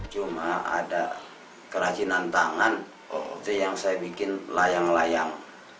cuma ada kerajinan tangan itu yang saya bikin layang layang